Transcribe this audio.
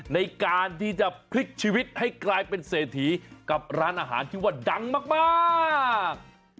ในการที่จะพลิกชีวิตให้กลายเป็นเศรษฐีกับร้านอาหารที่ว่าดังมาก